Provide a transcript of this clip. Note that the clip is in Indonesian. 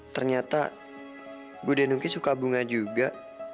ternyata bu denungki suka bunga juga